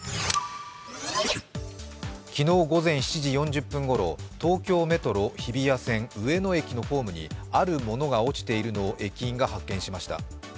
昨日、午前７時４０分ごろ、東京メトロ日比谷線、上野駅ホームにある物が落ちているのを駅員が発見しました。